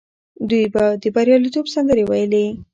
دوی به د بریالیتوب سندرې ویلې.